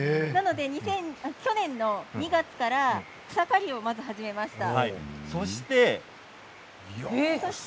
去年の２月から草刈りをまず、始めました。